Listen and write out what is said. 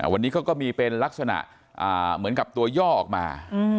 วันนี้เขาก็มีเป็นลักษณะเหมือนกับตัวย่อออกมา